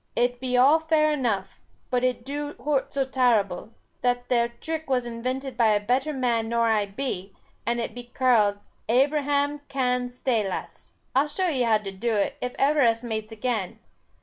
It be all fair enough, but it do hoort so tarble. That there trick was invented by a better man nor I be, and it be karled 'Abraham Cann's staylace.' I'll show e how to do it, if ever us mates again.